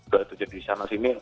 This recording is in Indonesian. gak ada yang jadi di sana sini